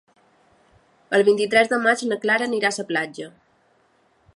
El vint-i-tres de maig na Clara anirà a la platja.